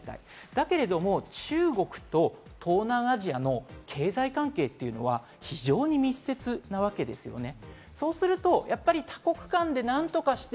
だけれども、中国と東南アジアの経済関係ってのは、非常に密接なわけですよね。